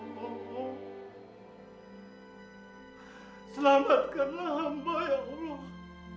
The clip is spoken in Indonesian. ya allah selamatkanlah hamba ya allah